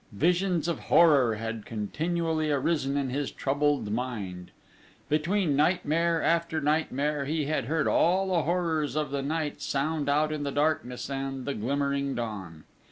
Visions of horror had continually arisen in his troubled mind. Between nightmare after nightmare he had heard all the horrors of the night sound out in the darkness and the glimmering dawn.